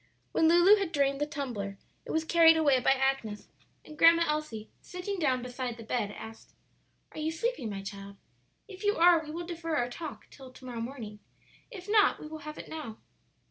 When Lulu had drained the tumbler it was carried away by Agnes, and Grandma Elsie, sitting down beside the bed, asked, "Are you sleepy, my child? If you are we will defer our talk till to morrow morning; if not, we will have it now."